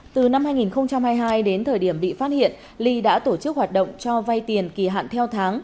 từ năm hai nghìn hai mươi hai đến thời điểm bị phát hiện ly đã tổ chức hoạt động cho vay tiền kỳ hạn theo tháng